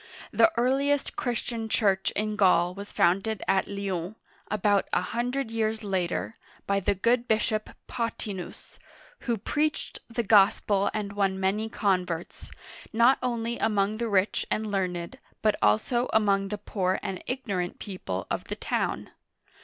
The earliest Christian church in Gaul was founded at Lyons, about a hundred years later, by the good bishop Pothi'nus, who preached the Gospel and won many converts, not only among the rich and learned, but also among the poor and ignorant people of the town.